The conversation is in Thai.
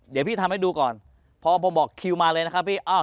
เดี๋ยวพี่ทำให้ดูก่อนพอผมบอกคิวมาเลยนะครับพี่